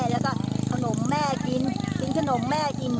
แล้วก็ขนมแม่กินกินขนมแม่กิน